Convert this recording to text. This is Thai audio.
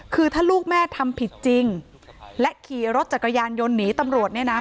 คือถ้าลูกแม่ทำผิดจริงและขี่รถจักรยานยนต์หนีตำรวจเนี่ยนะ